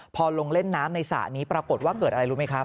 พอลงเล่นน้ำในสระนี้ปรากฏว่าเกิดอะไรรู้ไหมครับ